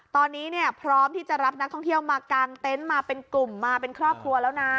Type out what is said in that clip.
ตอนนี้เนี่ยพร้อมที่จะรับนักท่องเที่ยวมากางเต็นต์มาเป็นกลุ่มมาเป็นครอบครัวแล้วนะ